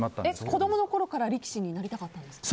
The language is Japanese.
子供のころから力士になりたかったんですか？